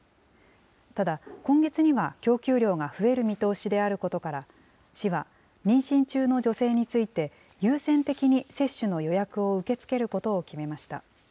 ただ、今月には供給量が増える見通しであることから、市は妊娠中の女性について、優先的に接種の予約を受け付けることを決めました。